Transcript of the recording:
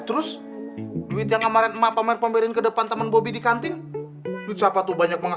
terus duit yang amarin mapamer pemberian kedepan teman bobby di kantin dicoba tuh banyak banget